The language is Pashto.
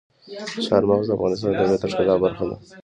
چار مغز د افغانستان د طبیعت د ښکلا برخه ده.